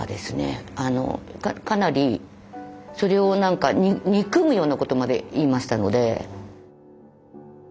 かなりそれを憎むようなことまで言いましたので。